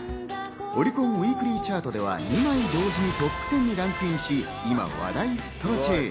オリコンウィークリーチャートでは２枚同時にトップ１０にランクインし今話題沸騰中。